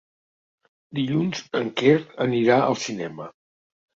Dilluns en Quer anirà al cinema.